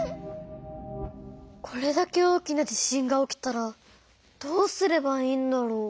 これだけ大きな地震が起きたらどうすればいいんだろう？